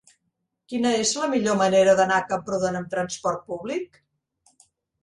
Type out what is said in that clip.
Quina és la millor manera d'anar a Camprodon amb trasport públic?